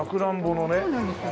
そうなんですよ。